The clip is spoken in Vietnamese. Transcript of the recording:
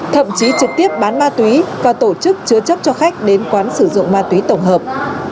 thậm chí trực tiếp bán ma túy và tổ chức chứa chấp cho khách đến quán sử dụng ma túy tổng hợp